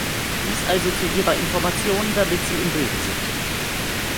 Dies also zu Ihrer Information, damit Sie im Bilde sind.